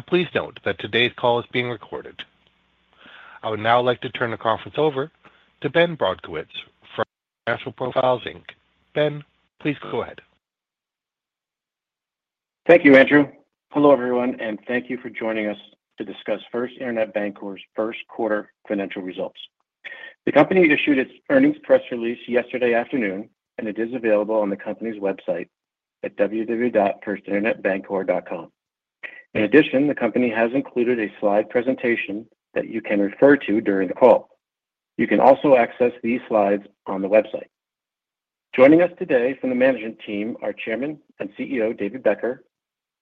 Please note that today's call is being recorded. I would now like to turn the conference over to Ben Brodkowitz from Financial Profiles, Inc. Ben, please go ahead. Thank you, Andrew. Hello, everyone, and thank you for joining us to discuss First Internet Bancorp's first quarter financial results. The company issued its earnings press release yesterday afternoon, and it is available on the company's website at www.firstinternetbancorp.com. In addition, the company has included a slide presentation that you can refer to during the call. You can also access these slides on the website. Joining us today from the management team are Chairman and CEO David Becker,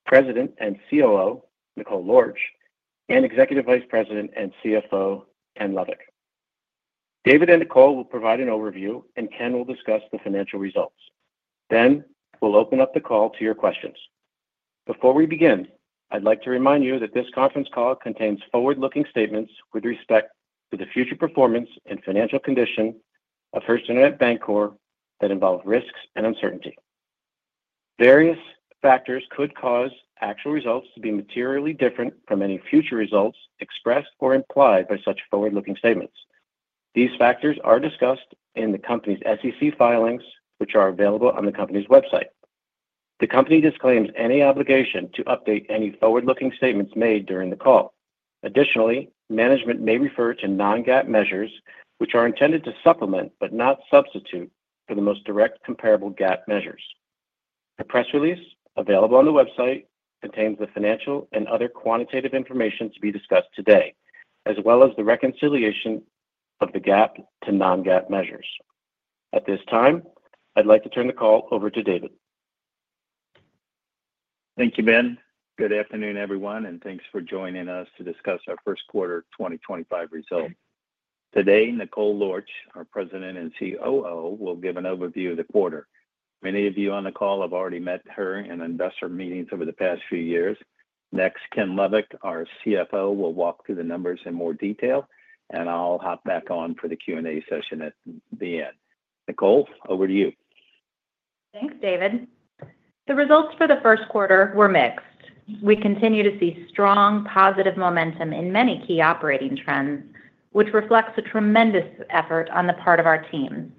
President and COO Nicole Lorch, and Executive Vice President and CFO Ken Lovik. David and Nicole will provide an overview, and Ken will discuss the financial results. We will open up the call to your questions. Before we begin, I'd like to remind you that this conference call contains forward-looking statements with respect to the future performance and financial condition of First Internet Bancorp that involve risks and uncertainty. Various factors could cause actual results to be materially different from any future results expressed or implied by such forward-looking statements. These factors are discussed in the company's SEC filings, which are available on the company's website. The company disclaims any obligation to update any forward-looking statements made during the call. Additionally, management may refer to non-GAAP measures, which are intended to supplement but not substitute for the most direct comparable GAAP measures. The press release available on the website contains the financial and other quantitative information to be discussed today, as well as the reconciliation of the GAAP to non-GAAP measures. At this time, I'd like to turn the call over to David. Thank you, Ben. Good afternoon, everyone, and thanks for joining us to discuss our first quarter 2025 results. Today, Nicole Lorch, our President and COO, will give an overview of the quarter. Many of you on the call have already met her in investor meetings over the past few years. Next, Ken Lovik, our CFO, will walk through the numbers in more detail, and I'll hop back on for the Q&A session at the end. Nicole, over to you. Thanks, David. The results for the first quarter were mixed. We continue to see strong positive momentum in many key operating trends, which reflects a tremendous effort on the part of our teams.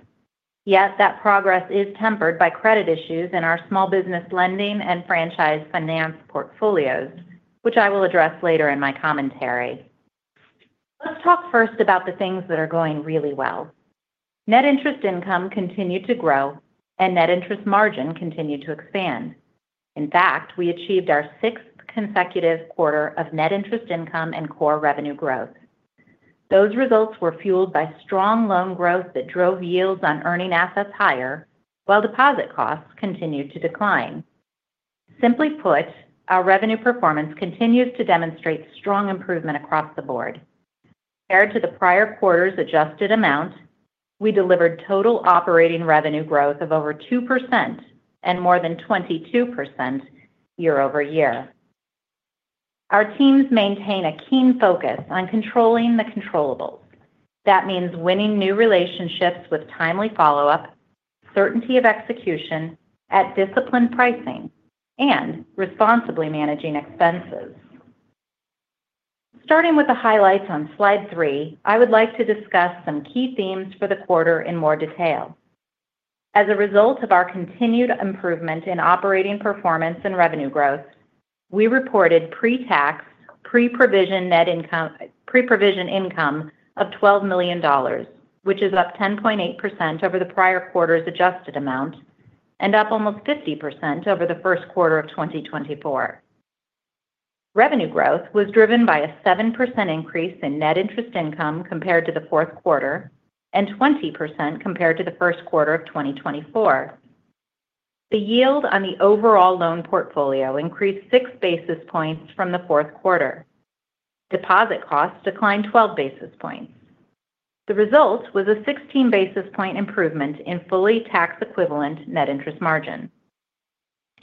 Yet that progress is tempered by credit issues in our small business lending and franchise finance portfolios, which I will address later in my commentary. Let's talk first about the things that are going really well. Net interest income continued to grow, and net interest margin continued to expand. In fact, we achieved our sixth consecutive quarter of net interest income and core revenue growth. Those results were fueled by strong loan growth that drove yields on earning assets higher, while deposit costs continued to decline. Simply put, our revenue performance continues to demonstrate strong improvement across the board. Compared to the prior quarter's adjusted amount, we delivered total operating revenue growth of over 2% and more than 22% year-over-year. Our teams maintain a keen focus on controlling the controllable. That means winning new relationships with timely follow-up, certainty of execution at disciplined pricing, and responsibly managing expenses. Starting with the highlights on slide three, I would like to discuss some key themes for the quarter in more detail. As a result of our continued improvement in operating performance and revenue growth, we reported pre-tax pre-provision net income of $12 million, which is up 10.8% over the prior quarter's adjusted amount and up almost 50% over the first quarter of 2024. Revenue growth was driven by a 7% increase in net interest income compared to the fourth quarter and 20% compared to the first quarter of 2024. The yield on the overall loan portfolio increased six basis points from the fourth quarter. Deposit costs declined 12 basis points. The result was a 16 basis point improvement in fully tax equivalent net interest margin.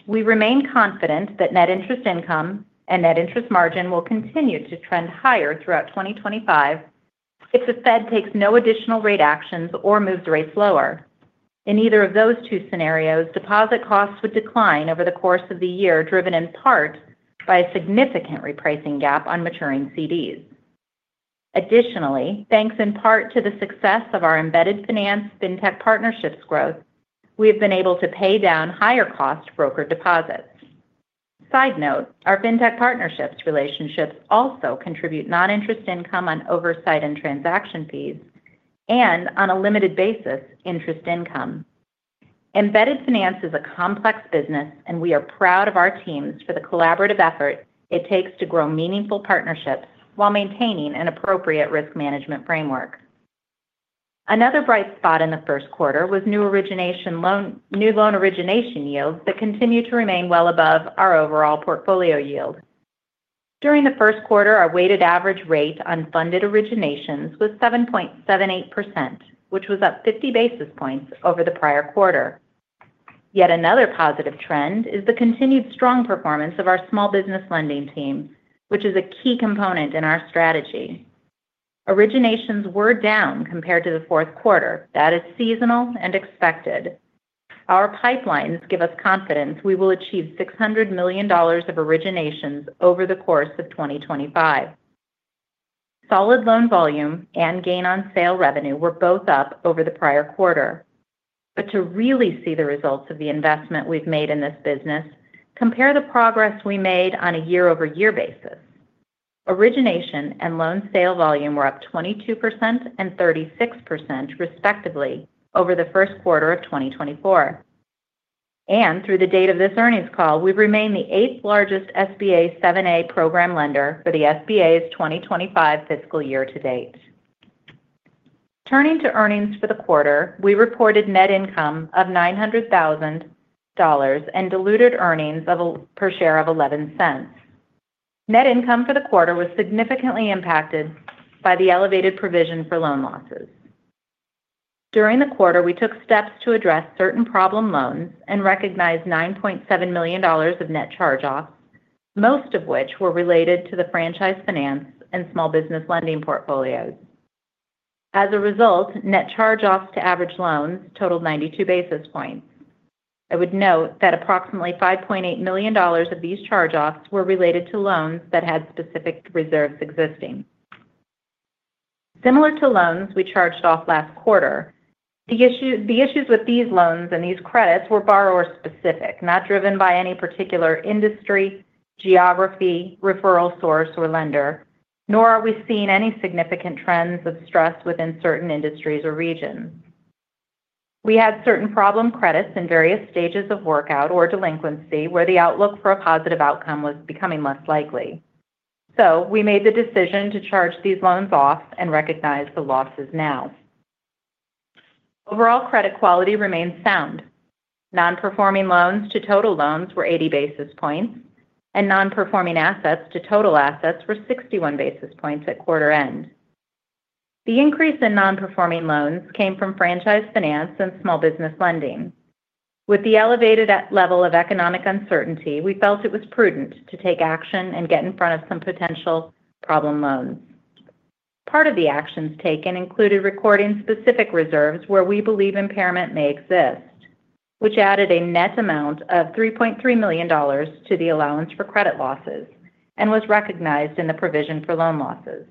We remain confident that net interest income and net interest margin will continue to trend higher throughout 2025 if the Fed takes no additional rate actions or moves rates lower. In either of those two scenarios, deposit costs would decline over the course of the year, driven in part by a significant repricing gap on maturing CDs. Additionally, thanks in part to the success of our embedded finance Fintech partnerships growth, we have been able to pay down higher-cost brokered deposits. Side note, our Fintech partnerships relationships also contribute non-interest income on oversight and transaction fees and, on a limited basis, interest income. Embedded finance is a complex business, and we are proud of our teams for the collaborative effort it takes to grow meaningful partnerships while maintaining an appropriate risk management framework. Another bright spot in the first quarter was new loan origination yields that continue to remain well above our overall portfolio yield. During the first quarter, our weighted average rate on funded originations was 7.78%, which was up 50 basis points over the prior quarter. Yet another positive trend is the continued strong performance of our small business lending team, which is a key component in our strategy. Originations were down compared to the fourth quarter. That is seasonal and expected. Our pipelines give us confidence we will achieve $600 million of originations over the course of 2025. Solid loan volume and gain on sale revenue were both up over the prior quarter. To really see the results of the investment we've made in this business, compare the progress we made on a year-over-year basis. Origination and loan sale volume were up 22% and 36%, respectively, over the first quarter of 2024. Through the date of this earnings call, we've remained the eighth largest SBA 7(a) program lender for the SBA's 2025 fiscal year to date. Turning to earnings for the quarter, we reported net income of $900,000 and diluted earnings per share of $0.11. Net income for the quarter was significantly impacted by the elevated provision for loan losses. During the quarter, we took steps to address certain problem loans and recognized $9.7 million of net charge-offs, most of which were related to the franchise finance and small business lending portfolios. As a result, net charge-offs to average loans totaled 92 basis points. I would note that approximately $5.8 million of these charge-offs were related to loans that had specific reserves existing. Similar to loans we charged off last quarter, the issues with these loans and these credits were borrower-specific, not driven by any particular industry, geography, referral source, or lender, nor are we seeing any significant trends of stress within certain industries or regions. We had certain problem credits in various stages of workout or delinquency where the outlook for a positive outcome was becoming less likely. We made the decision to charge these loans off and recognize the losses now. Overall credit quality remained sound. Non-performing loans to total loans were 80 basis points, and non-performing assets to total assets were 61 basis points at quarter end. The increase in non-performing loans came from franchise finance and small business lending. With the elevated level of economic uncertainty, we felt it was prudent to take action and get in front of some potential problem loans. Part of the actions taken included recording specific reserves where we believe impairment may exist, which added a net amount of $3.3 million to the allowance for credit losses and was recognized in the provision for loan losses.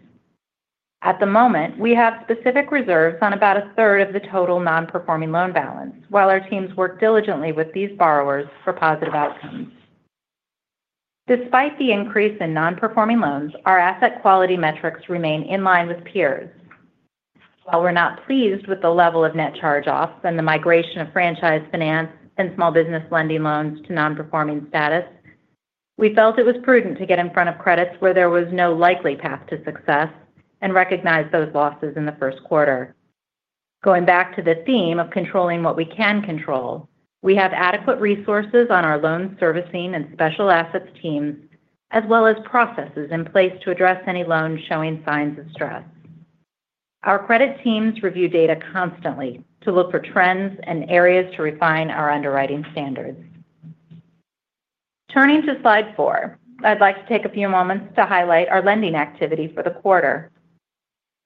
At the moment, we have specific reserves on about a third of the total non-performing loan balance, while our teams work diligently with these borrowers for positive outcomes. Despite the increase in non-performing loans, our asset quality metrics remain in line with peers. While we're not pleased with the level of net charge-offs and the migration of franchise finance and small business lending loans to non-performing status, we felt it was prudent to get in front of credits where there was no likely path to success and recognize those losses in the first quarter. Going back to the theme of controlling what we can control, we have adequate resources on our loan servicing and special assets teams, as well as processes in place to address any loans showing signs of stress. Our credit teams review data constantly to look for trends and areas to refine our underwriting standards. Turning to slide four, I'd like to take a few moments to highlight our lending activity for the quarter.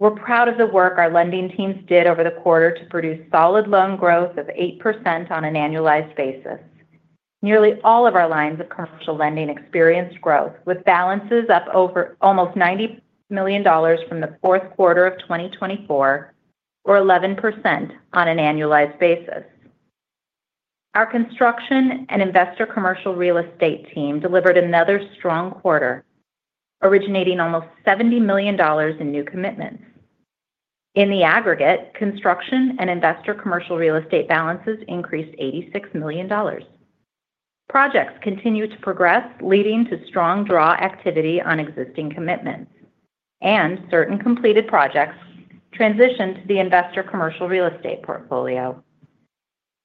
We're proud of the work our lending teams did over the quarter to produce solid loan growth of 8% on an annualized basis. Nearly all of our lines of commercial lending experienced growth, with balances up almost $90 million from the fourth quarter of 2024, or 11% on an annualized basis. Our construction and investor commercial real estate team delivered another strong quarter, originating almost $70 million in new commitments. In the aggregate, construction and investor commercial real estate balances increased $86 million. Projects continued to progress, leading to strong draw activity on existing commitments, and certain completed projects transitioned to the investor commercial real estate portfolio.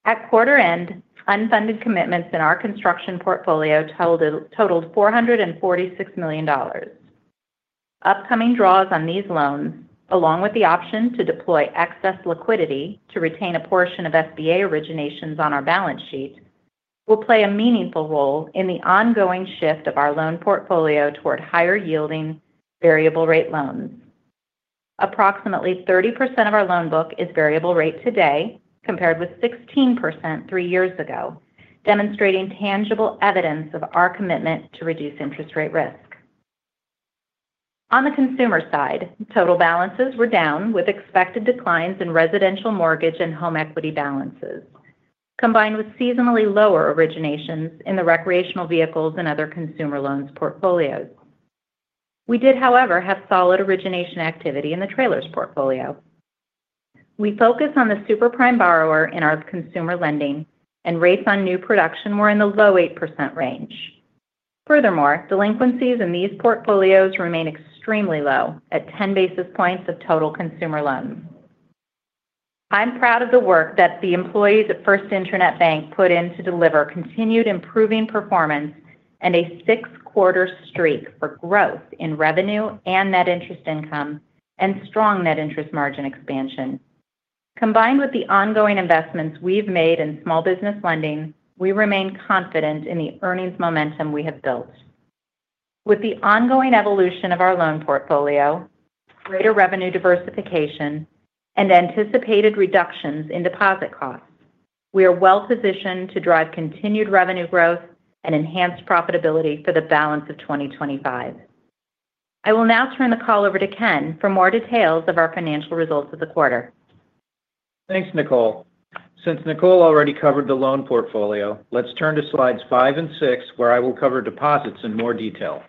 At quarter end, unfunded commitments in our construction portfolio totaled $446 million. Upcoming draws on these loans, along with the option to deploy excess liquidity to retain a portion of SBA originations on our balance sheet, will play a meaningful role in the ongoing shift of our loan portfolio toward higher-yielding variable-rate loans. Approximately 30% of our loan book is variable rate today compared with 16% three years ago, demonstrating tangible evidence of our commitment to reduce interest rate risk. On the consumer side, total balances were down, with expected declines in residential mortgage and home equity balances, combined with seasonally lower originations in the recreational vehicles and other consumer loans portfolios. We did, however, have solid origination activity in the trailers portfolio. We focus on the superprime borrower in our consumer lending, and rates on new production were in the low 8% range. Furthermore, delinquencies in these portfolios remain extremely low at 10 basis points of total consumer loans. I'm proud of the work that the employees at First Internet Bancorp put in to deliver continued improving performance and a six-quarter streak for growth in revenue and net interest income and strong net interest margin expansion. Combined with the ongoing investments we've made in small business lending, we remain confident in the earnings momentum we have built. With the ongoing evolution of our loan portfolio, greater revenue diversification, and anticipated reductions in deposit costs, we are well-positioned to drive continued revenue growth and enhanced profitability for the balance of 2025. I will now turn the call over to Ken for more details of our financial results of the quarter. Thanks, Nicole. Since Nicole already covered the loan portfolio, let's turn to slides five and six, where I will cover deposits in more detail.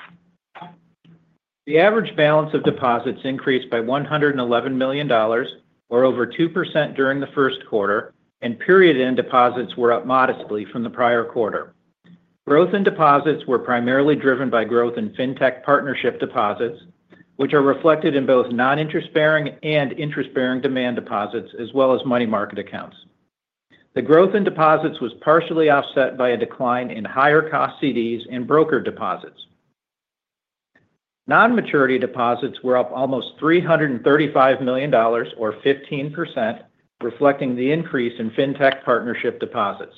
The average balance of deposits increased by $111 million, or over 2% during the first quarter, and period-end deposits were up modestly from the prior quarter. Growth in deposits was primarily driven by growth in Fintech partnership deposits, which are reflected in both non-interest-bearing and interest-bearing demand deposits, as well as money market accounts. The growth in deposits was partially offset by a decline in higher-cost CDs and brokered deposits. Non-maturity deposits were up almost $335 million, or 15%, reflecting the increase in Fintech partnership deposits.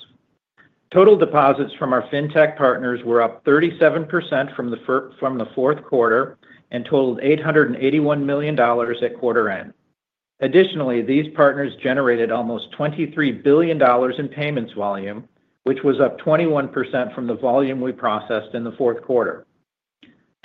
Total deposits from our Fintech partners were up 37% from the fourth quarter and totaled $881 million at quarter end. Additionally, these partners generated almost $23 billion in payments volume, which was up 21% from the volume we processed in the fourth quarter.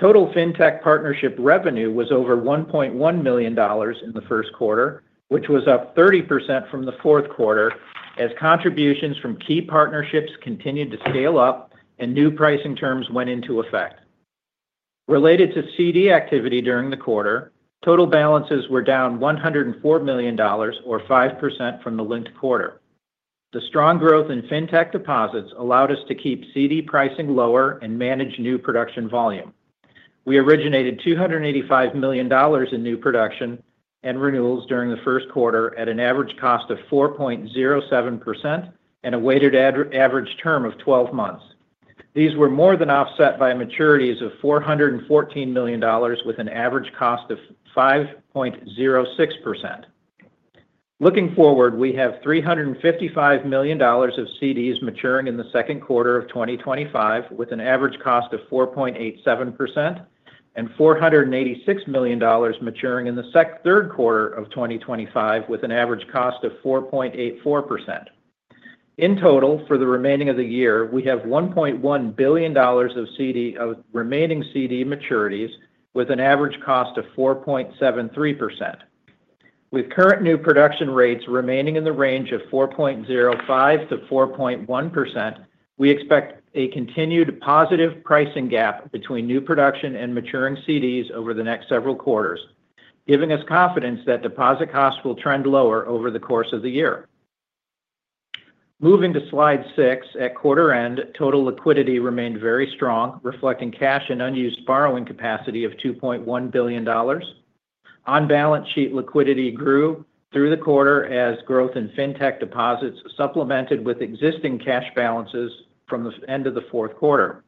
Total Fintech partnership revenue was over $1.1 million in the first quarter, which was up 30% from the fourth quarter, as contributions from key partnerships continued to scale up and new pricing terms went into effect. Related to CD activity during the quarter, total balances were down $104 million, or 5% from the linked quarter. The strong growth in Fintech deposits allowed us to keep CD pricing lower and manage new production volume. We originated $285 million in new production and renewals during the first quarter at an average cost of 4.07% and a weighted average term of 12 months. These were more than offset by maturities of $414 million, with an average cost of 5.06%. Lookig forward, we have $355 million of CDs maturing in the second quarter of 2025, with an average cost of 4.87%, and $486 million maturing in the third quarter of 2025, with an average cost of 4.84%. In total, for the remaining of the year, we have $1.1 billion of remaining CD maturities, with an average cost of 4.73%. With current new production rates remaining in the range of 4.05%-4.1%, we expect a continued positive pricing gap between new production and maturing CDs over the next several quarters, giving us confidence that deposit costs will trend lower over the course of the year. Moving to slide six, at quarter end, total liquidity remained very strong, reflecting cash and unused borrowing capacity of $2.1 billion. On balance sheet, liquidity grew through the quarter as growth in Fintech deposits supplemented with existing cash balances from the end of the fourth quarter.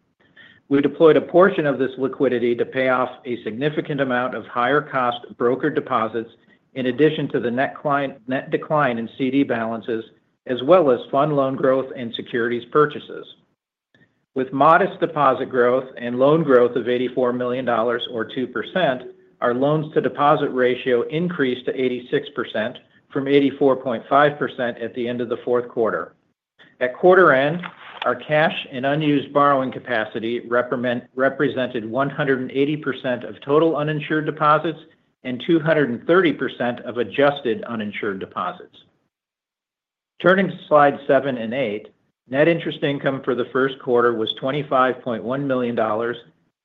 We deployed a portion of this liquidity to pay off a significant amount of higher-cost brokered deposits, in addition to the net decline in CD balances, as well as fund loan growth and securities purchases. With modest deposit growth and loan growth of $84 million, or 2%, our loans-to-deposit ratio increased to 86% from 84.5% at the end of the fourth quarter. At quarter end, our cash and unused borrowing capacity represented 180% of total uninsured deposits and 230% of adjusted uninsured deposits. Turning to slides seven and eight, net interest income for the first quarter was $25.1 million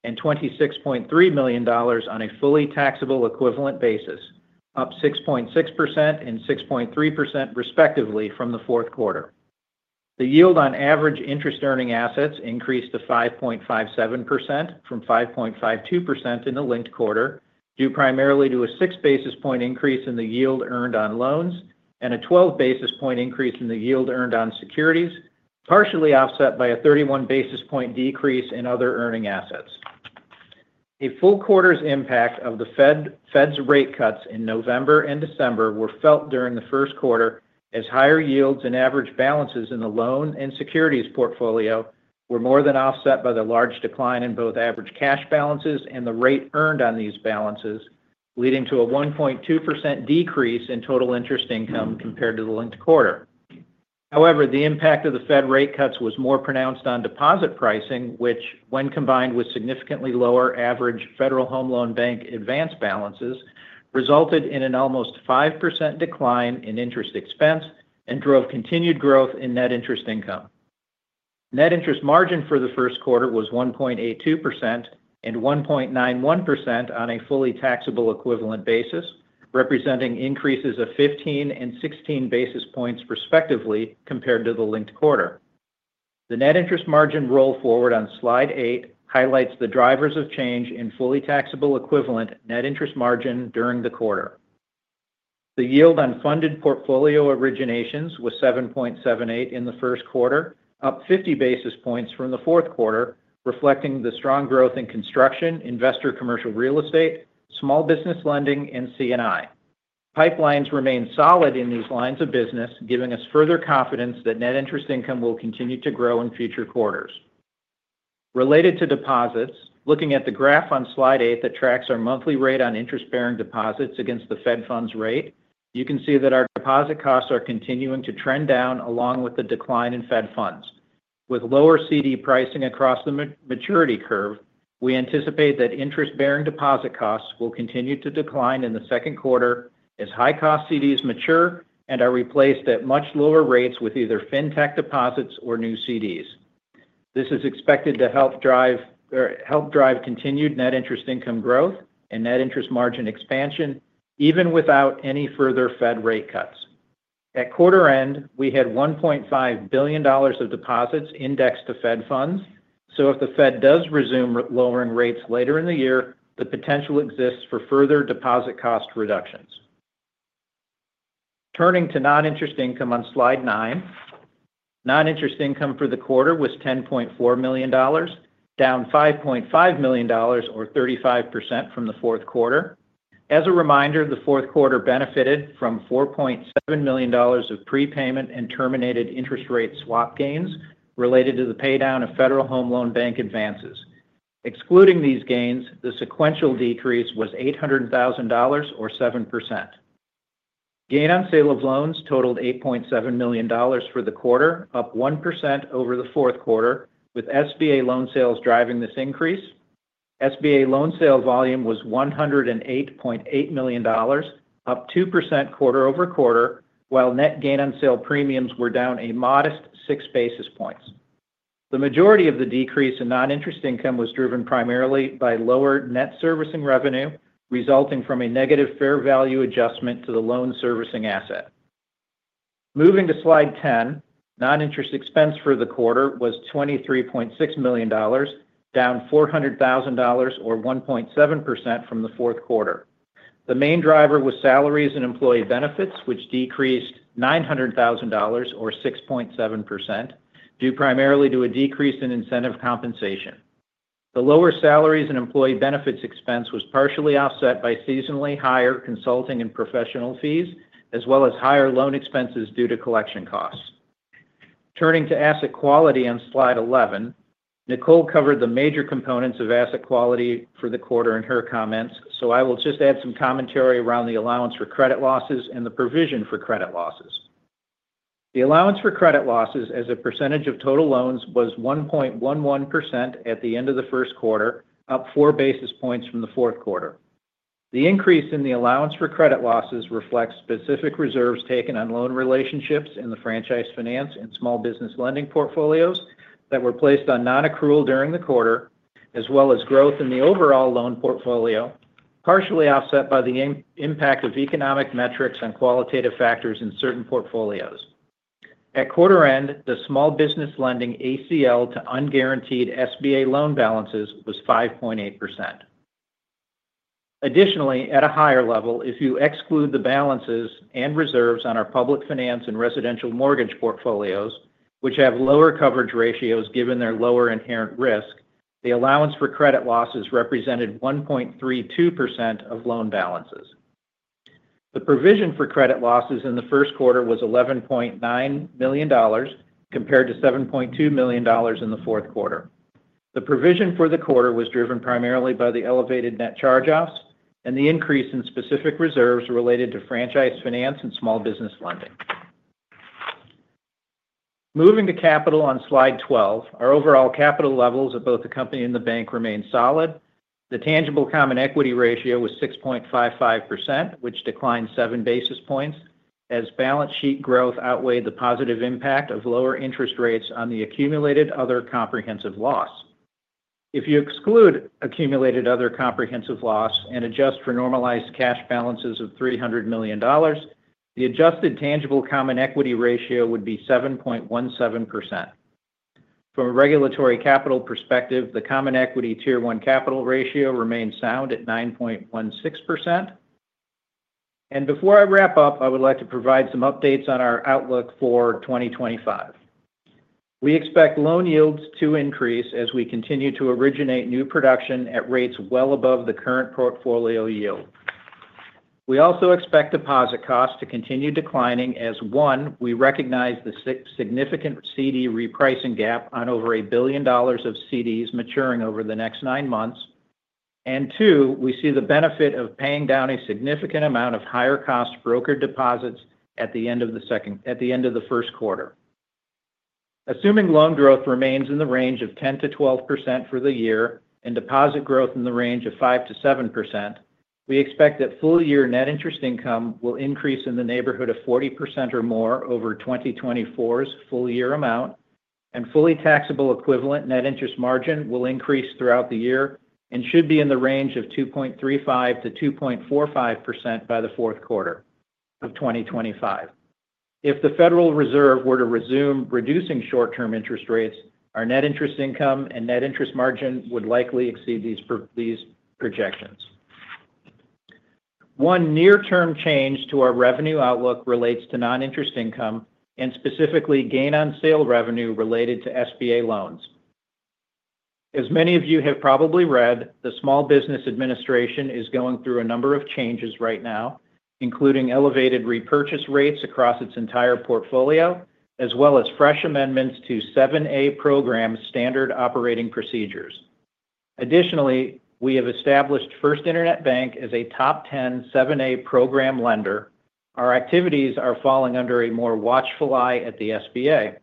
and $26.3 million on a fully tax equivalent basis, up 6.6% and 6.3%, respectively, from the fourth quarter. The yield on average interest-earning assets increased to 5.57% from 5.52% in the linked quarter, due primarily to a six-basis point increase in the yield earned on loans and a 12-basis point increase in the yield earned on securities, partially offset by a 31-basis point decrease in other earning assets. A full quarter's impact of the Fed's rate cuts in November and December was felt during the first quarter, as higher yields and average balances in the loan and securities portfolio were more than offset by the large decline in both average cash balances and the rate earned on these balances, leading to a 1.2% decrease in total interest income compared to the linked quarter. However, the impact of the Fed rate cuts was more pronounced on deposit pricing, which, when combined with significantly lower average Federal Home Loan Bank advance balances, resulted in an almost 5% decline in interest expense and drove continued growth in net interest income. Net interest margin for the first quarter was 1.82% and 1.91% on a fully tax equivalent basis, representing increases of 15 and 16 basis points, respectively, compared to the linked quarter. The net interest margin roll forward on slide eight highlights the drivers of change in fully tax equivalent net interest margin during the quarter. The yield on funded portfolio originations was 7.78% in the first quarter, up 50 basis points from the fourth quarter, reflecting the strong growth in construction, investor commercial real estate, small business lending, and C&I. Pipelines remain solid in these lines of business, giving us further confidence that net interest income will continue to grow in future quarters. Related to deposits, looking at the graph on slide eight that tracks our monthly rate on interest-bearing deposits against the Fed funds rate, you can see that our deposit costs are continuing to trend down, along with the decline in Fed funds. With lower CD pricing across the maturity curve, we anticipate that interest-bearing deposit costs will continue to decline in the second quarter as high-cost CDs mature and are replaced at much lower rates with either Fintech deposits or new CDs. This is expected to help drive continued net interest income growth and net interest margin expansion, even without any further Fed rate cuts. At quarter end, we had $1.5 billion of deposits indexed to Fed funds, so if the Fed does resume lowering rates later in the year, the potential exists for further deposit cost reductions. Turning to non-interest income on slide nine, non-interest income for the quarter was $10.4 million, down $5.5 million, or 35% from the fourth quarter. As a reminder, the fourth quarter benefited from $4.7 million of prepayment and terminated interest rate swap gains related to the paydown of Federal Home Loan Bank advances. Excluding these gains, the sequential decrease was $800,000, or 7%. Gain on sale of loans totaled $8.7 million for the quarter, up 1% over the fourth quarter, with SBA loan sales driving this increase. SBA loan sale volume was $108.8 million, up 2% quarter-over-quarter, while net gain on sale premiums were down a modest 6 basis points. The majority of the decrease in non-interest income was driven primarily by lower net servicing revenue, resulting from a negative fair value adjustment to the loan servicing asset. Moving to slide ten, non-interest expense for the quarter was $23.6 million, down $400,000, or 1.7% from the fourth quarter. The main driver was salaries and employee benefits, which decreased $900,000, or 6.7%, due primarily to a decrease in incentive compensation. The lower salaries and employee benefits expense was partially offset by seasonally higher consulting and professional fees, as well as higher loan expenses due to collection costs. Turning to asset quality on slide 11, Nicole covered the major components of asset quality for the quarter in her comments, so I will just add some commentary around the allowance for credit losses and the provision for credit losses. The allowance for credit losses, as a percentage of total loans, was 1.11% at the end of the first quarter, up 4 basis points from the fourth quarter. The increase in the allowance for credit losses reflects specific reserves taken on loan relationships in the franchise finance and small business lending portfolios that were placed on non-accrual during the quarter, as well as growth in the overall loan portfolio, partially offset by the impact of economic metrics on qualitative factors in certain portfolios. At quarter end, the small business lending ACL to unguaranteed SBA loan balances was 5.8%. Additionally, at a higher level, if you exclude the balances and reserves on, the a public finance and residential mortgage portfolios, which have lower coverage ratios given their lower inherent risk, the allowance for credit losses represented 1.32% of loan balances. The provision for credit losses in the first quarter was $11.9 million compared to $7.2 million in the fourth quarter. The provision for the quarter was driven primarily by the elevated net charge-offs and the increase in specific reserves related to franchise finance and small business lending. Moving to capital on slide 12, our overall capital levels of both the company and the bank remained solid. The tangible common equity ratio was 6.55%, which declined 7 basis points, as balance sheet growth outweighed the positive impact of lower interest rates on the accumulated other comprehensive loss. If you exclude accumulated other comprehensive loss and adjust for normalized cash balances of $300 million, the adjusted tangible common equity ratio would be 7.17%. From a regulatory capital perspective, the common equity tier one capital ratio remains sound at 9.16%. Before I wrap up, I would like to provide some updates on our outlook for 2025. We expect loan yields to increase as we continue to originate new production at rates well above the current portfolio yield. We also expect deposit costs to continue declining as, one, we recognize the significant CD repricing gap on over $1 billion of CDs maturing over the next nine months, and, two, we see the benefit of paying down a significant amount of higher-cost brokered deposits at the end of the first quarter. Assuming loan growth remains in the range of 10%-12% for the year and deposit growth in the range of 5%-7%, we expect that full-year net interest income will increase in the neighborhood of 40% or more over 2024's full-year amount, and fully taxable equivalent net interest margin will increase throughout the year and should be in the range of 2.35%-2.45% by the fourth quarter of 2025. If the Federal Reserve were to resume reducing short-term interest rates, our net interest income and net interest margin would likely exceed these projections. One near-term change to our revenue outlook relates to non-interest income and specifically gain on sale revenue related to SBA loans. As many of you have probably read, the Small Business Administration is going through a number of changes right now, including elevated repurchase rates across its entire portfolio, as well as fresh amendments to 7(a) program standard operating procedures. Additionally, we have established First Internet Bank as a top 10 7(a) program lender. Our activities are falling under a more watchful eye at the SBA.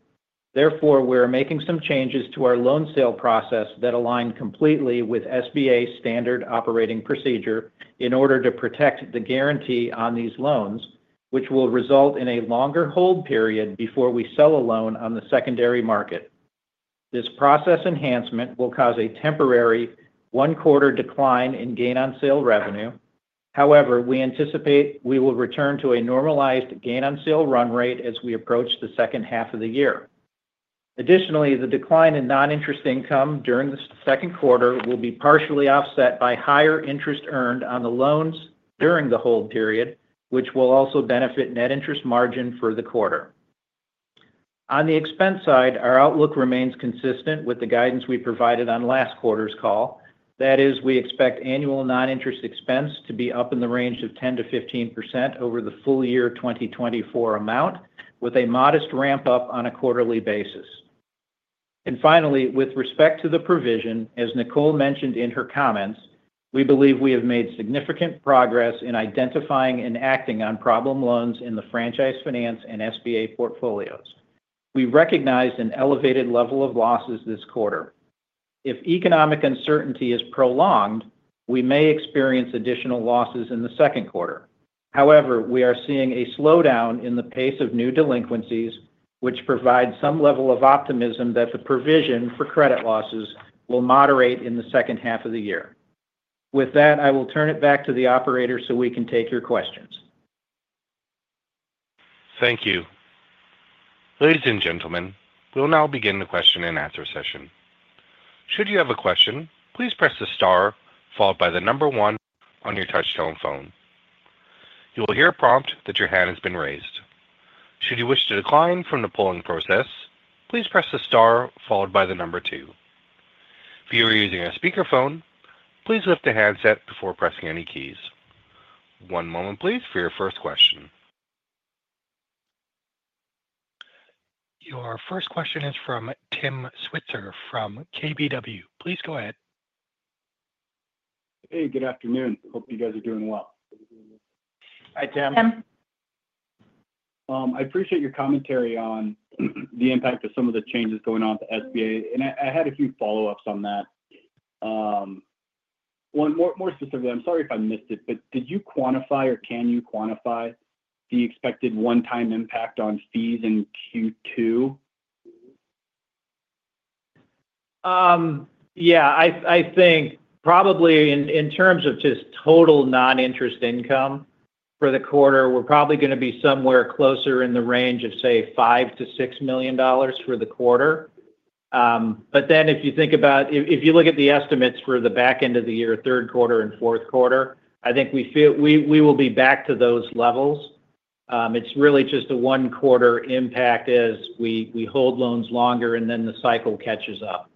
Therefore, we are making some changes to our loan sale process that align completely with SBA standard operating procedure in order to protect the guarantee on these loans, which will result in a longer hold period before we sell a loan on the secondary market. This process enhancement will cause a temporary one-quarter decline in gain on sale revenue. However, we anticipate we will return to a normalized gain on sale run rate as we approach the second half of the year. Additionally, the decline in non-interest income during the second quarter will be partially offset by higher interest earned on the loans during the hold period, which will also benefit net interest margin for the quarter. On the expense side, our outlook remains consistent with the guidance we provided on last quarter's call. That is, we expect annual non-interest expense to be up in the range of 10%-15% over the full-year 2024 amount, with a modest ramp-up on a quarterly basis. Finally, with respect to the provision, as Nicole mentioned in her comments, we believe we have made significant progress in identifying and acting on problem loans in the franchise finance and SBA portfolios. We recognize an elevated level of losses this quarter. If economic uncertainty is prolonged, we may experience additional losses in the second quarter. However, we are seeing a slowdown in the pace of new delinquencies, which provides some level of optimism that the provision for credit losses will moderate in the second half of the year. With that, I will turn it back to the operator so we can take your questions. Thank you. Ladies and gentlemen, we'll now begin the question and answer session. Should you have a question, please press the star followed by the number one on your touch-tone phone. You will hear a prompt that your hand has been raised. Should you wish to decline from the polling process, please press the star followed by the number two. If you are using a speakerphone, please lift the handset before pressing any keys. One moment, please, for your first question. Your first question is from Tim Switzer from KBW. Please go ahead. Hey, good afternoon. Hope you guys are doing well. Hi, Tim. I appreciate your commentary on the impact of some of the changes going on at SBA, and I had a few follow-ups on that. More specifically, I'm sorry if I missed it, but did you quantify or can you quantify the expected one-time impact on fees in Q2? Yeah, I think probably in terms of just total non-interest income for the quarter, we're probably going to be somewhere closer in the range of, say, $5 million-$6 million for the quarter. If you think about if you look at the estimates for the back end of the year, third quarter and fourth quarter, I think we will be back to those levels. It's really just a one-quarter impact as we hold loans longer and then the cycle catches up.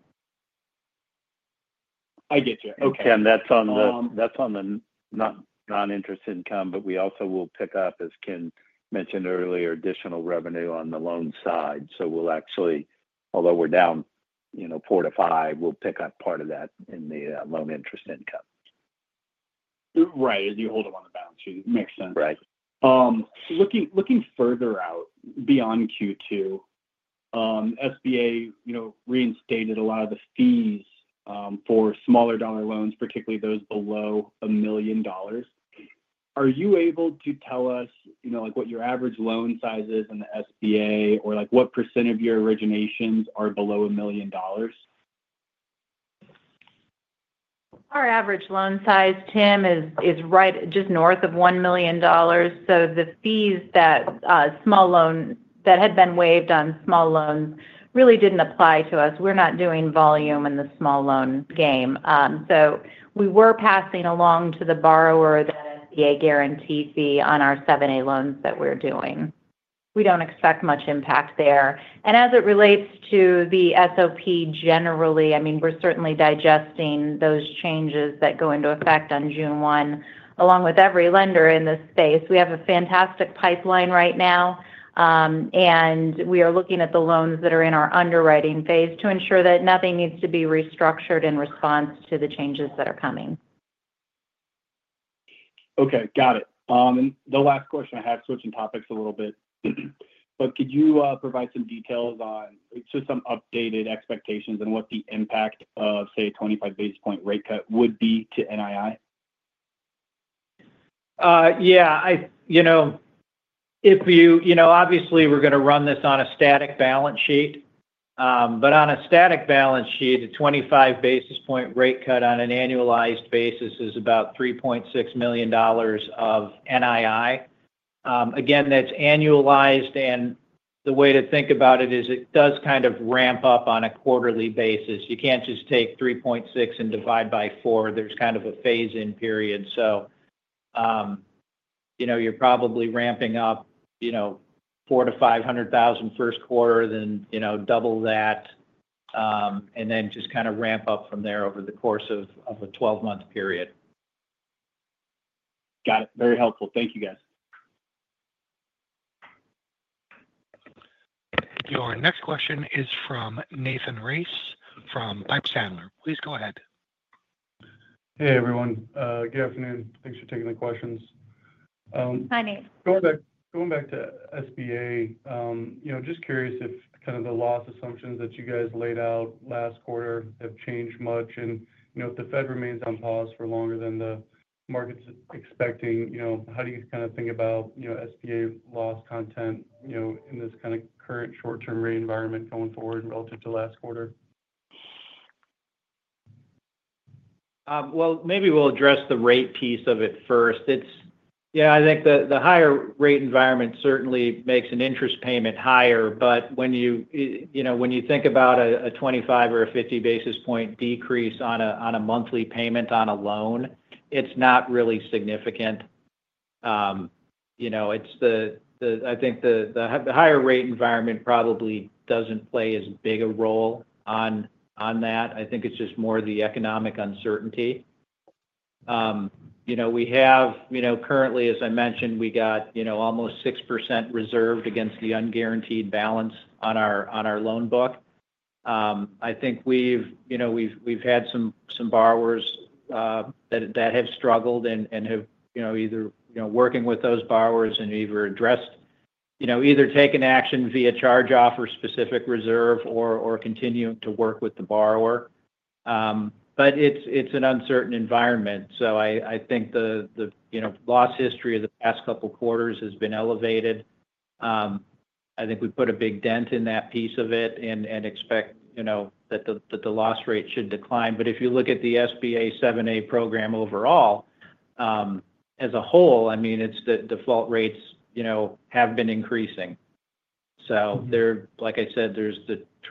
I get you. Okay. That's on the non-interest income, but we also will pick up, as Ken mentioned earlier, additional revenue on the loan side. We'll actually, although we're down four to five, pick up part of that in the loan interest income. Right, as you hold them on the balance sheet. Makes sense. Right. Looking further out beyond Q2, SBA reinstated a lot of the fees for smaller dollar loans, particularly those below $1 million. Are you able to tell us what your average loan size is in the SBA or what percent of your originations are below $1 million? Our average loan size, Tim, is just north of $1 million. The fees that had been waived on small loans really didn't apply to us. We're not doing volume in the small loan game. We were passing along to the borrower that SBA guarantee fee on our 7(a) loans that we're doing. We don't expect much impact there. As it relates to the SOP generally, I mean, we're certainly digesting those changes that go into effect on June 1. Along with every lender in this space, we have a fantastic pipeline right now, and we are looking at the loans that are in our underwriting phase to ensure that nothing needs to be restructured in response to the changes that are coming. Okay. Got it. The last question I have, switching topics a little bit, but could you provide some details on just some updated expectations and what the impact of, say, a 25 basis point rate cut would be to NII? Yeah. If you obviously, we're going to run this on a static balance sheet, but on a static balance sheet, a 25 basis point rate cut on an annualized basis is about $3.6 million of NII. Again, that's annualized, and the way to think about it is it does kind of ramp up on a quarterly basis. You can't just take 3.6 and divide by 4. There's kind of a phase-in period. So you're probably ramping up 400,000-500,000 first quarter, then double that, and then just kind of ramp up from there over the course of a 12-month period. Got it. Very helpful. Thank you, guys. Your next question is from Nathan Race from Piper Sandler. Please go ahead. Hey, everyone. Good afternoon. Thanks for taking the questions. Hi, Nate. Going back to SBA, just curious if kind of the loss assumptions that you guys laid out last quarter have changed much. If the Fed remains on pause for longer than the market's expecting, how do you kind of think about SBA loss content in this kind of current short-term rate environment going forward relative to last quarter? Maybe we'll address the rate piece of it first. Yeah, I think the higher rate environment certainly makes an interest payment higher, but when you think about a 25 or a 50 basis point decrease on a monthly payment on a loan, it's not really significant. I think the higher rate environment probably doesn't play as big a role on that. I think it's just more the economic uncertainty. We have currently, as I mentioned, we got almost 6% reserved against the unguaranteed balance on our loan book. I think we've had some borrowers that have struggled and have either working with those borrowers and either addressed, either taken action via charge-off or specific reserve or continuing to work with the borrower. It's an uncertain environment. I think the loss history of the past couple of quarters has been elevated. I think we put a big dent in that piece of it and expect that the loss rate should decline. If you look at the SBA 7(a) program overall, as a whole, I mean, the default rates have been increasing. Like I said, there's a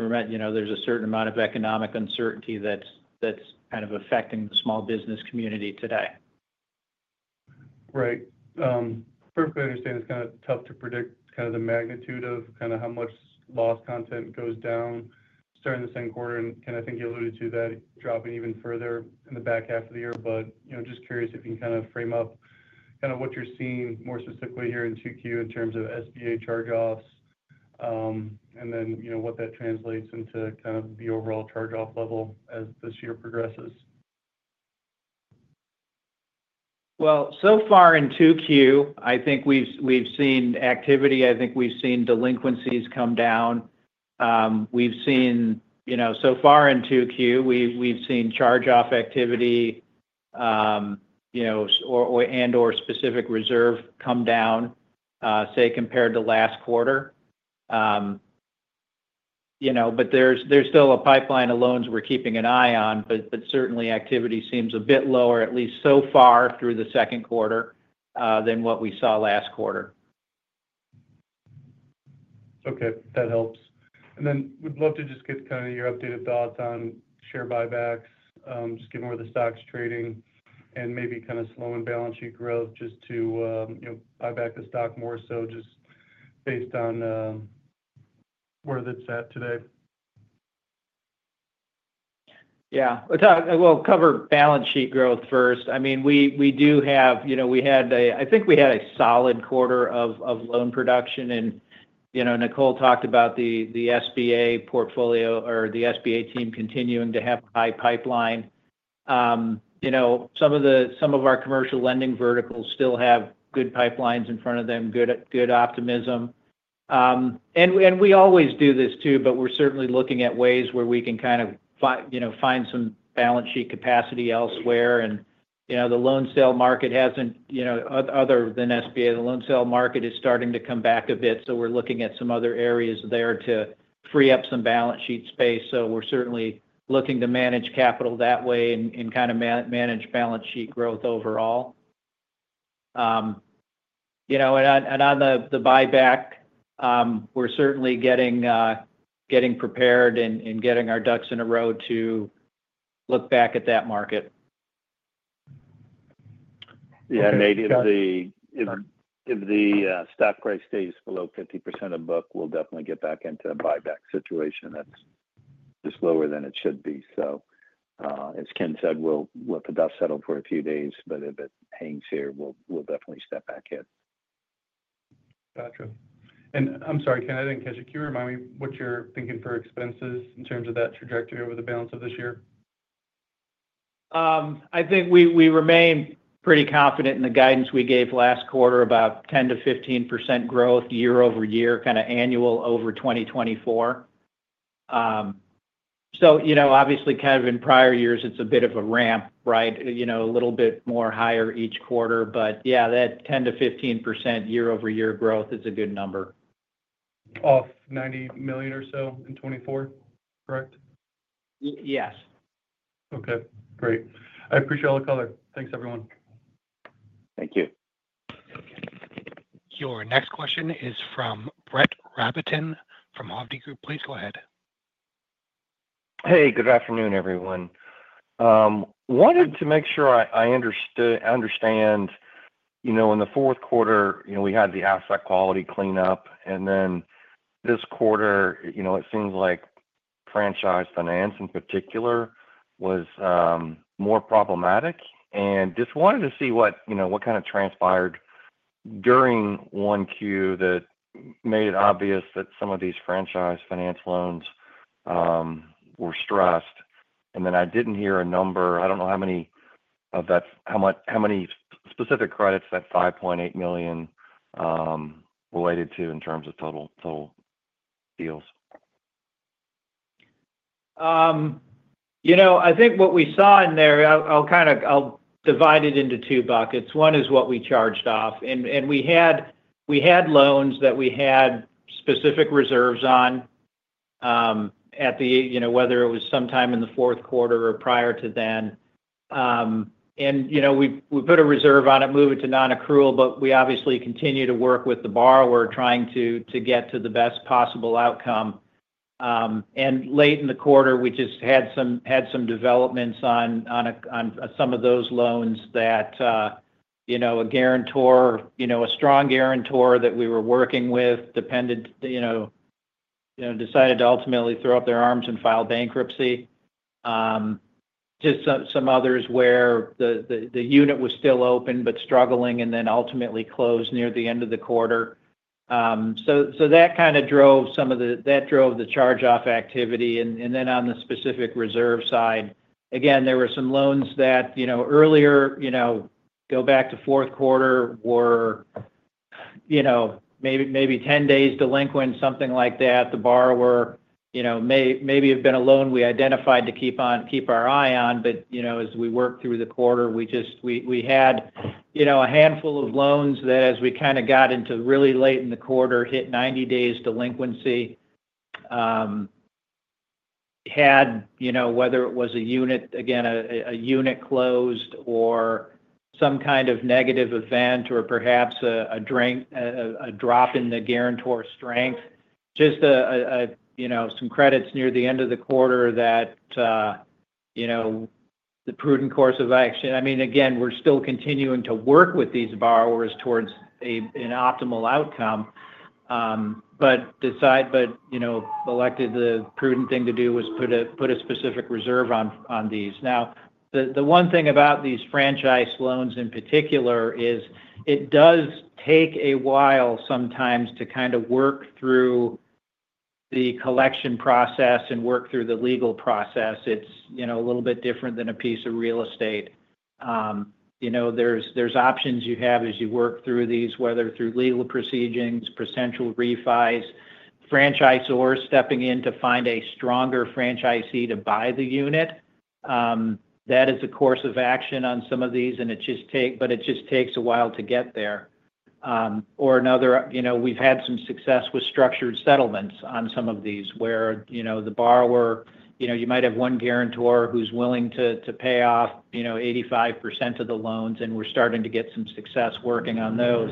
certain amount of economic uncertainty that's kind of affecting the small business community today. Right. Perfectly understand. It's kind of tough to predict kind of the magnitude of kind of how much loss content goes down starting the second quarter. I think you alluded to that dropping even further in the back half of the year. Just curious if you can kind of frame up kind of what you're seeing more specifically here in Q2 in terms of SBA charge-offs and then what that translates into kind of the overall charge-off level as this year progresses. So far in 2Q, I think we've seen activity. I think we've seen delinquencies come down. We've seen, so far in Q2, we've seen charge-off activity and/or specific reserve come down, say, compared to last quarter. There is still a pipeline of loans we are keeping an eye on, but certainly activity seems a bit lower, at least so far through the second quarter, than what we saw last quarter. Okay. That helps. We would love to just get kind of your updated thoughts on share buybacks, just given where the stock is trading, and maybe kind of slowing balance sheet growth just to buy back the stock more so just based on where that is at today. Yeah. Cover balance sheet growth first. I mean, we do have we had a I think we had a solid quarter of loan production, and Nicole talked about the SBA portfolio or the SBA team continuing to have a high pipeline. Some of our commercial lending verticals still have good pipelines in front of them, good optimism. We always do this too, but we're certainly looking at ways where we can kind of find some balance sheet capacity elsewhere. The loan sale market hasn't, other than SBA, the loan sale market is starting to come back a bit. We're looking at some other areas there to free up some balance sheet space. We're certainly looking to manage capital that way and kind of manage balance sheet growth overall. On the buyback, we're certainly getting prepared and getting our ducks in a row to look back at that market. Yeah. Nate, if the stock price stays below 50% of book, we'll definitely get back into a buyback situation. That's just lower than it should be. As Ken said, we'll let the dust settle for a few days, but if it hangs here, we'll definitely step back in. Gotcha. I'm sorry, Ken, I didn't catch it. Can you remind me what you're thinking for expenses in terms of that trajectory over the balance of this year? I think we remain pretty confident in the guidance we gave last quarter about 10%-15% growth year-ove- year, kind of annual over 2024. Obviously, kind of in prior years, it's a bit of a ramp, right? A little bit more higher each quarter. Yeah, that 10%-15% year-over-year growth is a good number. Off $90 million or so in 2024, correct? Yes. Okay. Great. I appreciate all the color. Thanks, everyone. Thank you. Your next question is from Brett Rabatin from Hovde Group. Please go ahead. Hey, good afternoon, everyone. Wanted to make sure I understand. In the fourth quarter, we had the asset quality cleanup, and this quarter, it seems like franchise finance in particular was more problematic. I just wanted to see what kind of transpired during one Q that made it obvious that some of these franchise finance loans were stressed. I didn't hear a number. I don't know how many of that, how many specific credits that $5.8 million related to in terms of total deals. I think what we saw in there, I'll kind of divide it into two buckets. One is what we charged off. We had loans that we had specific reserves on at the, whether it was sometime in the fourth quarter or prior to then. We put a reserve on it, moved it to non-accrual, but we obviously continue to work with the borrower trying to get to the best possible outcome. Late in the quarter, we just had some developments on some of those loans that a guarantor, a strong guarantor that we were working with, decided to ultimately throw up their arms and file bankruptcy. There were just some others where the unit was still open but struggling and then ultimately closed near the end of the quarter. That kind of drove the charge-off activity. On the specific reserve side, again, there were some loans that earlier, go back to fourth quarter, were maybe 10 days delinquent, something like that. The borrower maybe had been a loan we identified to keep our eye on, but as we worked through the quarter, we had a handful of loans that as we kind of got into really late in the quarter, hit 90 days delinquency. Had whether it was a unit, again, a unit closed or some kind of negative event or perhaps a drop in the guarantor strength, just some credits near the end of the quarter that the prudent course of action. I mean, again, we're still continuing to work with these borrowers towards an optimal outcome, but elected the prudent thing to do was put a specific reserve on these. Now, the one thing about these franchise loans in particular is it does take a while sometimes to kind of work through the collection process and work through the legal process. It's a little bit different than a piece of real estate. There's options you have as you work through these, whether through legal proceedings, percentual refis, franchisors stepping in to find a stronger franchisee to buy the unit. That is the course of action on some of these, but it just takes a while to get there. Or another, we've had some success with structured settlements on some of these where the borrower, you might have one guarantor who's willing to pay off 85% of the loans, and we're starting to get some success working on those.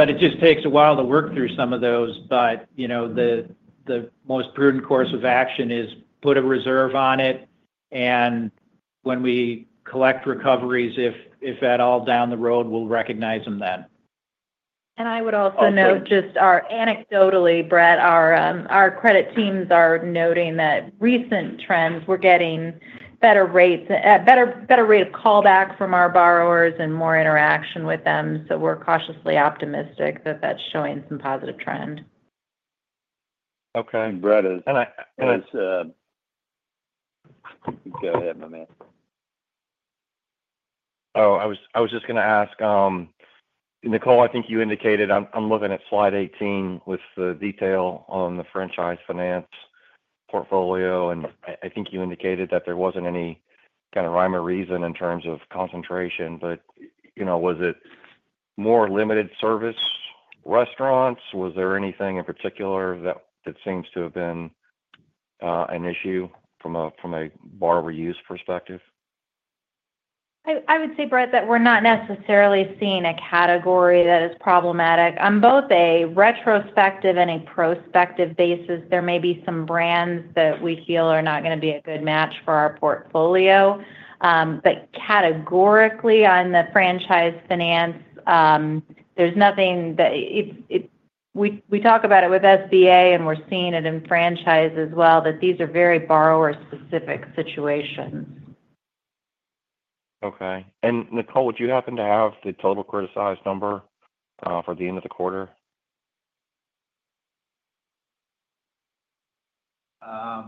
It just takes a while to work through some of those. The most prudent course of action is put a reserve on it, and when we collect recoveries, if at all down the road, we'll recognize them then. I would also note just anecdotally, Brett, our credit teams are noting that recent trends, we're getting better rates, better rate of callback from our borrowers and more interaction with them. We're cautiously optimistic that that's showing some positive trend. Okay. Brett, go ahead, my man. Oh, I was just going to ask, Nicole, I think you indicated I'm looking at slide 18 with the detail on the franchise finance portfolio, and I think you indicated that there wasn't any kind of rhyme or reason in terms of concentration. Was it more limited service restaurants? Was there anything in particular that seems to have been an issue from a borrower use perspective? I would say, Brett, that we're not necessarily seeing a category that is problematic. On both a retrospective and a prospective basis, there may be some brands that we feel are not going to be a good match for our portfolio. Categorically, on the franchise finance, there's nothing that we talk about with SBA, and we're seeing it in franchise as well, that these are very borrower-specific situations. Okay. Nicole, would you happen to have the total courtesized number for the end of the quarter?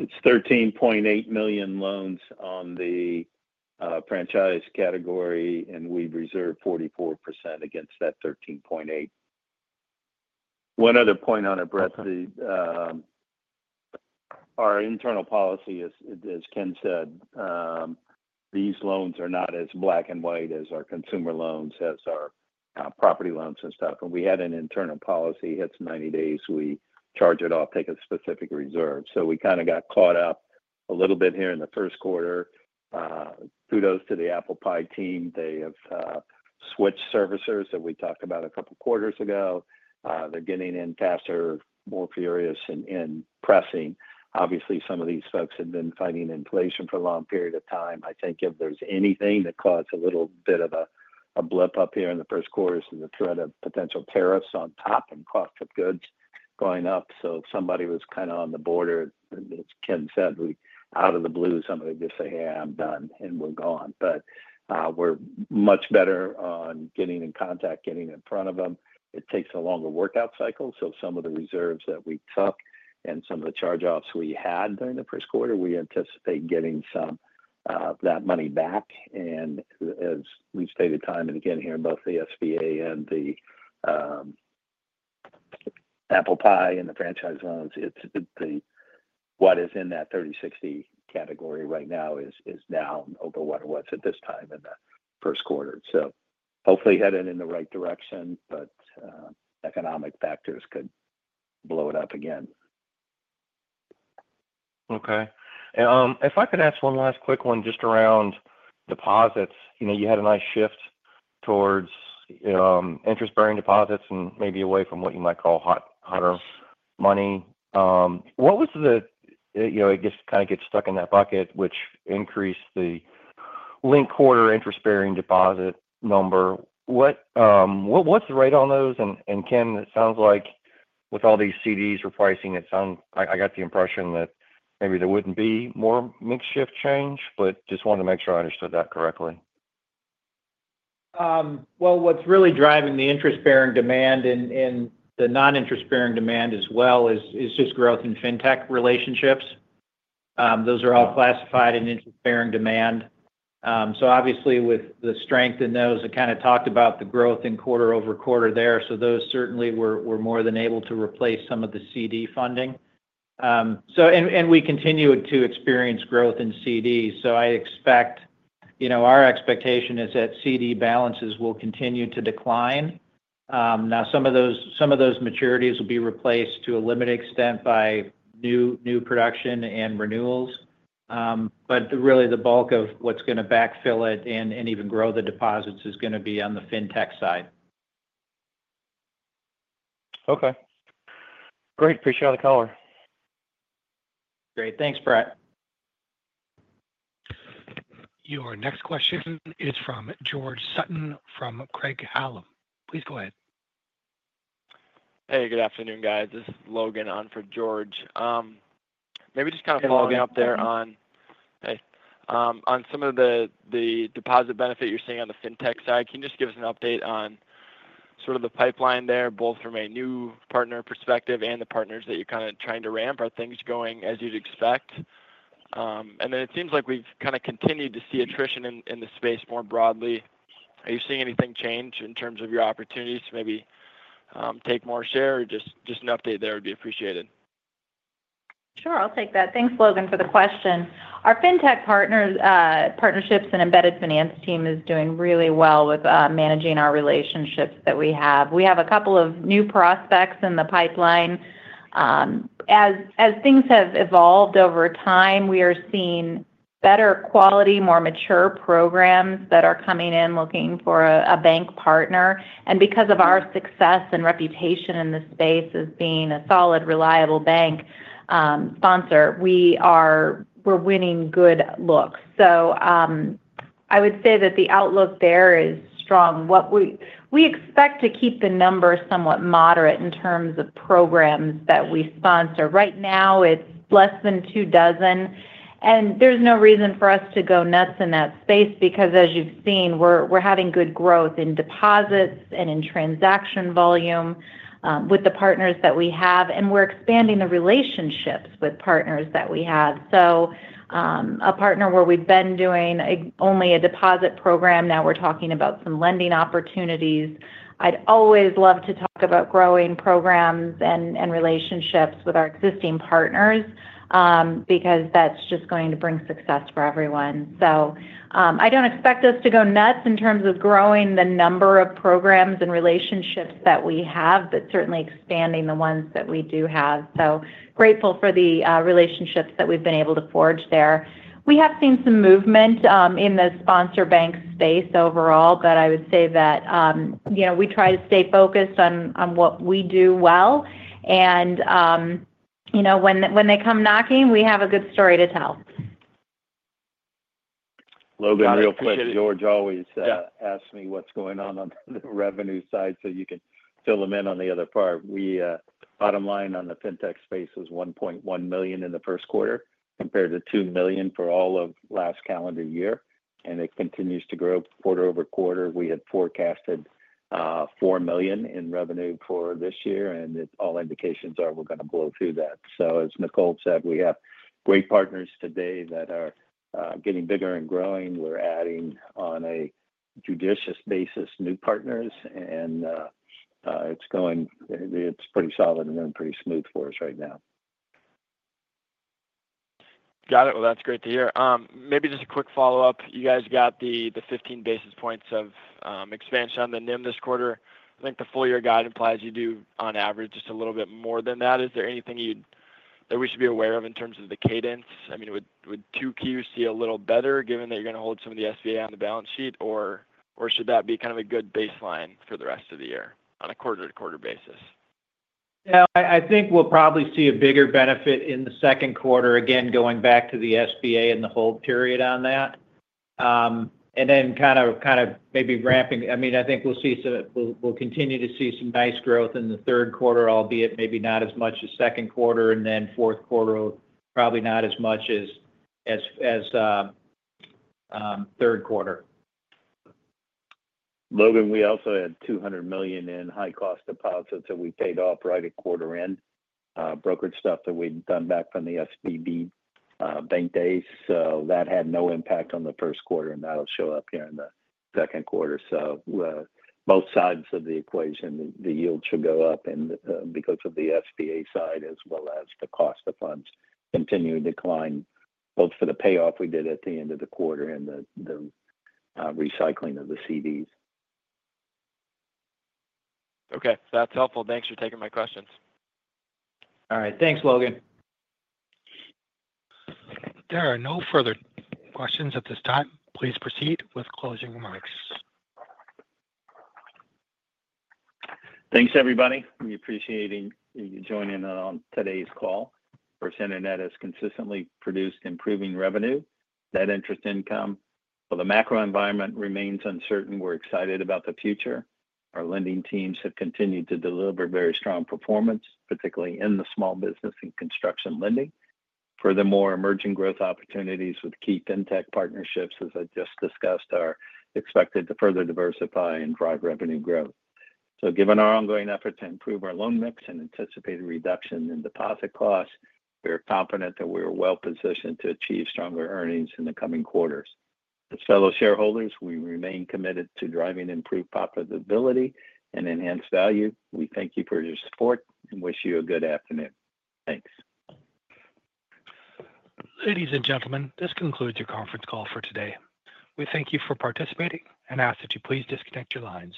It's $13.8 million loans on the franchise category, and we've reserved 44% against that $13.8 million. One other point on it, Brett, our internal policy, as Ken said, these loans are not as black and white as our consumer loans, as our property loans and stuff. We had an internal policy. It's 90 days. We charge it off, take a specific reserve. We kind of got caught up a little bit here in the first quarter. Kudos to the Apple Pie team. They have switched servicers that we talked about a couple of quarters ago. They're getting in faster, more furious, and pressing. Obviously, some of these folks have been fighting inflation for a long period of time. I think if there's anything that caused a little bit of a blip up here in the first quarter is the threat of potential tariffs on top and cost of goods going up. If somebody was kind of on the border, as Ken said, out of the blue, somebody would just say, "Hey, I'm done," and we're gone. We are much better on getting in contact, getting in front of them. It takes a longer workout cycle. Some of the reserves that we took and some of the charge-offs we had during the first quarter, we anticipate getting some of that money back. As we've stated time and again here, both the SBA and the Apple Pie and the franchise loans, what is in that 30/60 category right now is down over what it was at this time in the first quarter. Hopefully headed in the right direction, but economic factors could blow it up again. Okay. If I could ask one last quick one just around deposits. You had a nice shift towards interest-bearing deposits and maybe away from what you might call hotter money. What was the, it just kind of gets stuck in that bucket, which increased the link quarter interest-bearing deposit number. What's the rate on those? Ken, it sounds like with all these CDs or pricing, I got the impression that maybe there wouldn't be more makeshift change, but just wanted to make sure I understood that correctly. What's really driving the interest-bearing demand and the non-interest-bearing demand as well is just growth in fintech relationships. Those are all classified in interest-bearing demand. Obviously, with the strength in those, I kind of talked about the growth in quarter-over-quarter there. Those certainly were more than able to replace some of the CD funding. We continue to experience growth in CDs. I expect our expectation is that CD balances will continue to decline. Some of those maturities will be replaced to a limited extent by new production and renewals. Really, the bulk of what is going to backfill it and even grow the deposits is going to be on the fintech side. Okay. Great. Appreciate all the color. Great. Thanks, Brett. Your next question is from George Sutton from Craig-Hallum. Please go ahead. Hey, good afternoon, guys. This is Logan on for George. Maybe just kind of following up there on some of the deposit benefit you are seeing on the fintech side. Can you just give us an update on sort of the pipeline there, both from a new partner perspective and the partners that you're kind of trying to ramp? Are things going as you'd expect? It seems like we've kind of continued to see attrition in the space more broadly. Are you seeing anything change in terms of your opportunities to maybe take more share? Just an update there would be appreciated. Sure. I'll take that. Thanks, Logan, for the question. Our fintech partnerships and embedded finance team is doing really well with managing our relationships that we have. We have a couple of new prospects in the pipeline. As things have evolved over time, we are seeing better quality, more mature programs that are coming in looking for a bank partner. Because of our success and reputation in the space as being a solid, reliable bank sponsor, we're winning good looks. I would say that the outlook there is strong. We expect to keep the numbers somewhat moderate in terms of programs that we sponsor. Right now, it's less than two dozen. There is no reason for us to go nuts in that space because, as you've seen, we're having good growth in deposits and in transaction volume with the partners that we have. We're expanding the relationships with partners that we have. A partner where we've been doing only a deposit program, now we're talking about some lending opportunities. I'd always love to talk about growing programs and relationships with our existing partners because that's just going to bring success for everyone. I do not expect us to go nuts in terms of growing the number of programs and relationships that we have, but certainly expanding the ones that we do have. I am grateful for the relationships that we have been able to forge there. We have seen some movement in the sponsor bank space overall, but I would say that we try to stay focused on what we do well. When they come knocking, we have a good story to tell. Logan, real quick, George always asks me what is going on on the revenue side so you can fill him in on the other part. Bottom line on the Fintech space is $1.1 million in the first quarter compared to $2 million for all of last calendar year. It continues to grow quarter-over-quarter. We had forecasted $4 million in revenue for this year, and all indications are we're going to blow through that. As Nicole said, we have great partners today that are getting bigger and growing. We're adding on a judicious basis new partners, and it's pretty solid and going pretty smooth for us right now. Got it. That's great to hear. Maybe just a quick follow-up. You guys got the 15 basis points of expansion on the NIM this quarter. I think the full year guide implies you do, on average, just a little bit more than that. Is there anything that we should be aware of in terms of the cadence? I mean, would 2Q see a little better given that you're going to hold some of the SBA on the balance sheet, or should that be kind of a good baseline for the rest of the year on a quarter-to-quarter basis? Yeah. I think we'll probably see a bigger benefit in the second quarter, again, going back to the SBA and the hold period on that. And then kind of maybe ramping, I mean, I think we'll continue to see some nice growth in the third quarter, albeit maybe not as much as second quarter, and then fourth quarter, probably not as much as third quarter. Logan, we also had $200 million in high-cost deposits that we paid off right at quarter-end, brokerage stuff that we'd done back from the SBB bank days. That had no impact on the first quarter, and that'll show up here in the second quarter. Both sides of the equation, the yield should go up because of the SBA side as well as the cost of funds continuing to decline, both for the payoff we did at the end of the quarter and the recycling of the CDs. Okay. That's helpful. Thanks for taking my questions. All right. Thanks, Logan. There are no further questions at this time. Please proceed with closing remarks. Thanks, everybody. We appreciate you joining on today's call. First Internet has consistently produced improving revenue. Net interest income for the macro environment remains uncertain. We're excited about the future. Our lending teams have continued to deliver very strong performance, particularly in the small business and construction lending. Furthermore, emerging growth opportunities with key fintech partnerships, as I just discussed, are expected to further diversify and drive revenue growth. Given our ongoing effort to improve our loan mix and anticipated reduction in deposit costs, we're confident that we are well-positioned to achieve stronger earnings in the coming quarters. As fellow shareholders, we remain committed to driving improved profitability and enhanced value. We thank you for your support and wish you a good afternoon. Thanks. Ladies and gentlemen, this concludes your conference call for today. We thank you for participating and ask that you please disconnect your lines.